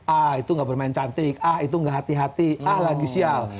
ah itu gak bermain cantik ah itu nggak hati hati ah lagi sial